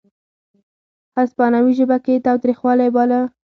هسپانوي ژبه کې یې تاوتریخوالی باله.